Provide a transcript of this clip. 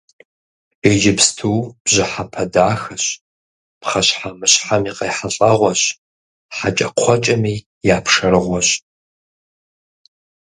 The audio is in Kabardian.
Иджыпсту бжьыхьэпэ дахэщ, пхъэщхьэмыщхьэм и къехьэлӀэгъуэщ, хьэкӀэкхъуэкӀэми я пшэрыгъуэщ.